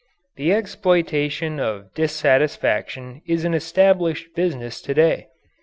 The exploitation of dissatisfaction is an established business to day.